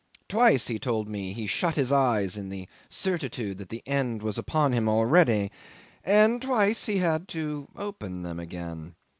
Twice, he told me, he shut his eyes in the certitude that the end was upon him already, and twice he had to open them again.